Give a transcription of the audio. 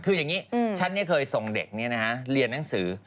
คืออย่างนี้ฉันนี่เคยส่งเด็กเนี่ยนะฮะเรียนหนังสือ